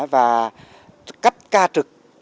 và cắt ca trực